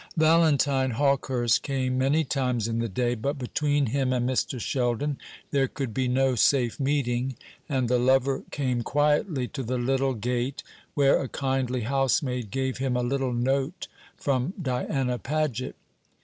Valentine Hawkehurst came many times in the day, but between him and Mr. Sheldon there could be no safe meeting; and the lover came quietly to the little gate, where a kindly housemaid gave him a little note from Diana Paget.